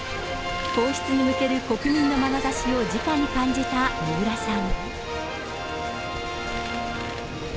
皇室に向ける国民のまなざしをじかに感じた三浦さん。